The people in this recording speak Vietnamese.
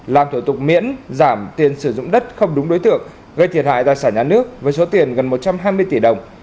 làm thủ tục miễn giảm tiền sử dụng đất không đúng đối tượng gây thiệt hại tài sản nhà nước với số tiền gần một trăm hai mươi tỷ đồng